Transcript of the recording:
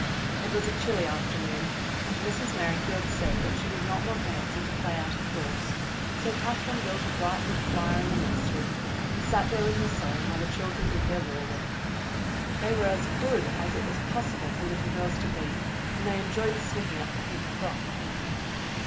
It was a chilly afternoon and Mrs. Merri field said that she did not want Nancy to play out of doors, so Catherine built a bright wood fire in the nursery and sat there with her sewing while the chil dren did their war work. They were as good as it was possible for little girls to be, and they enjoyed snipping up the pink frock.